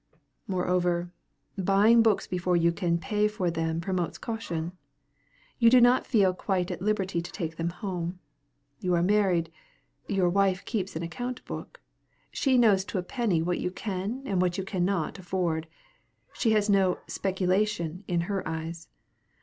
Moreover, buying books before you can pay for them promotes caution. You do not feel quite at liberty to take them home. You are married. Your wife keeps an account book. She knows to a penny what you can and what you cannot afford. She has no "speculation" in her eyes.